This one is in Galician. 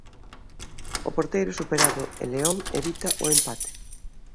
O porteiro superado e León evita o empate.